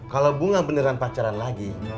kalau bunga beneran pacaran lagi